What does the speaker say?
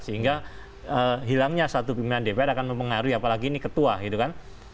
sehingga hilangnya satu pimpinan dpr akan mempengaruhi apalagi ini ketua gitu kan